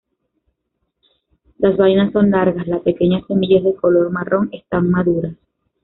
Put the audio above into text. Las vainas son largas, la pequeña semilla es de color marrón están maduras.